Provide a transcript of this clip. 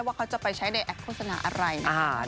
ว่าเขาจะไปใช้ในแอคโฆษณาอะไรนะคะ